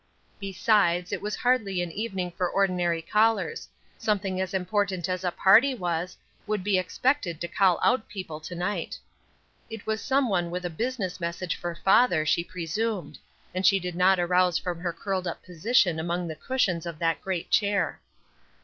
Besides, it was hardly an evening for ordinary callers something as important as a party was, would be expected to call out people to night. It was some one with a business message for father, she presumed; and she did not arouse from her curled up position among the cushions of that great chair.